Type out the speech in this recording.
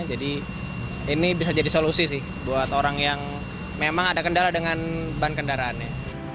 jadi ini bisa jadi solusi sih buat orang yang memang ada kendaraan dengan ban kendaraannya